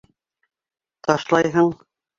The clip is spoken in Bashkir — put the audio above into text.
Ташлайһың?